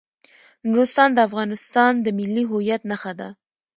نورستان د افغانستان د ملي هویت نښه ده.